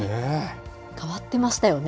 変わってましたよね